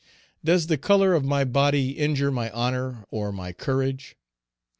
Does the color of my body injure my honor or my courage?